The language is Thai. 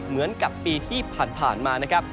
เหมือนกับปีที่ผ่านมานะครับ